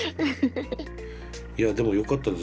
いやでもよかったです。